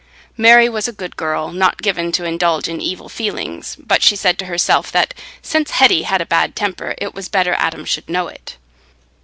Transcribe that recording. Mary was a good girl, not given to indulge in evil feelings, but she said to herself, that, since Hetty had a bad temper, it was better Adam should know it.